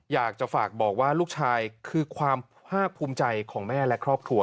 อยากจะฝากบอกว่าลูกชายคือความภาคภูมิใจของแม่และครอบครัว